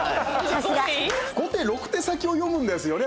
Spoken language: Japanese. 五手六手、先を読むんですよね